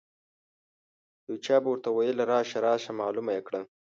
یو چا به ورته ویل راشه راسره معلومه یې کړه.